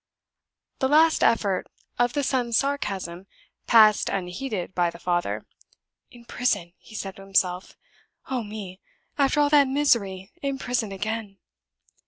The last effort of the son's sarcasm passed unheeded by the father. "In prison!" he said to himself. "Oh me, after all that misery, in prison again!"